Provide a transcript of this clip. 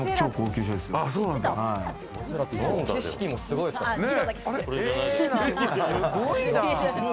景色もすごいですからね。